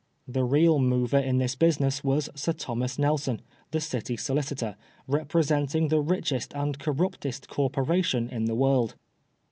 The real mover in this business was Sir Thomas Nelson, the City Solicitor, representing the richest and corruptest Corporation in the world.